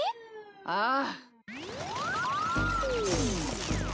ああ。